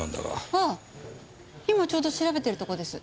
ああ今ちょうど調べてるところです。